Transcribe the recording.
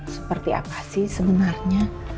seperti apa sih sebenarnya